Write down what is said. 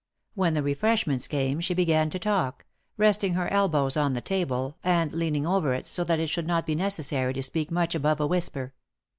When the refreshments came she began to talk, resting her elbows on the table, and leaning over it so that it should not be necessary to speak much above a whisper.